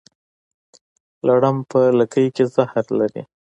لړم په لکۍ کې زهر لري